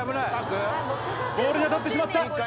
棒に当たってしまった。